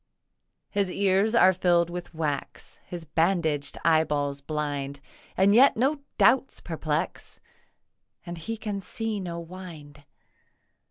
His ears are filled with wax, His bandaged eyeballs blind, And yet no doubts perplex, And he can see the wind.